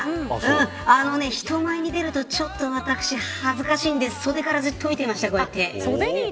人前に出るとちょっと私、恥ずかしいので袖からずっと見てました。